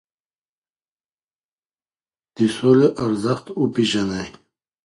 د سولي ارزښت وپیرژنئ.